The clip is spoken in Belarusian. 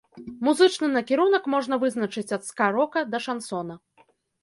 Музычны накірунак можна вызначыць ад ска-рока да шансона.